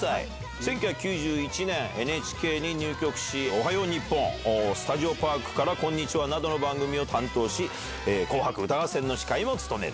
１９９１年、ＮＨＫに入局し、おはよう日本、スタジオパークからこんにちはなどの番組を担当し、紅白歌合戦の司会を務める。